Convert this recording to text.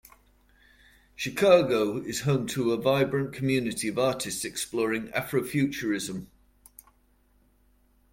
Chicago is home to a vibrant community of artists exploring Afrofuturism.